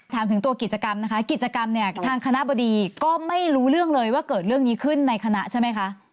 ถามถึงตัวกิจกรรมนะคะกิจกรรมเนี่ยทางคณะบดีก็ไม่รู้เรื่องเลยว่าเกิดเรื่องนี้ขึ้นในคณะใช่ไหมคะ